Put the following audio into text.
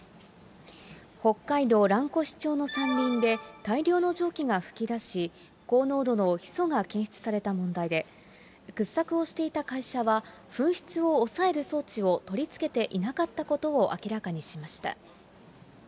北海道蘭越町の山林で、大量の蒸気が噴き出し、高濃度のヒ素が検出された問題で、掘削をしていた会社は、噴出を抑える装置を取り付けていなかったことを明らかにしました。